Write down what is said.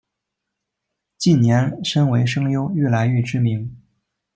近年身为声优愈来愈知名。